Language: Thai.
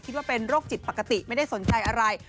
คิดว่าเป็นโรคจิตปกติไม่ได้สนใจอะไร